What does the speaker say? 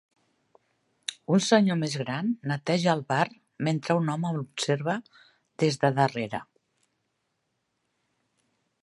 Un senyor més gran neteja el bar mentre un home l'observa des de darrere.